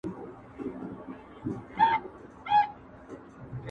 ته به د غم يو لوى بيابان سې گرانــــــي.